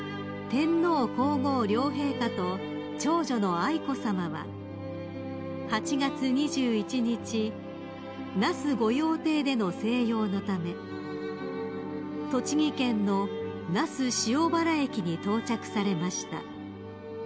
［天皇皇后両陛下と長女の愛子さまは８月２１日那須御用邸での静養のため栃木県の那須塩原駅に到着されました］